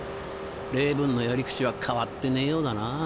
レイブンのやり口は変わってねえようだな。